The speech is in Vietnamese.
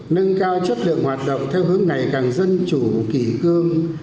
nâng cao chất lượng hoạt động theo hướng ngày càng dân chủ kỷ cương